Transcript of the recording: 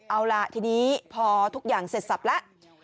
เอาล่ะทีนี้พอทุกอย่างเสร็จสับแล้ว